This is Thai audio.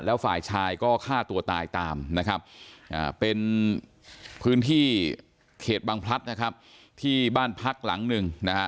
แล้วฝ่ายชายก็ฆ่าตัวตายตามนะครับเป็นพื้นที่เขตบางพลัดนะครับที่บ้านพักหลังหนึ่งนะฮะ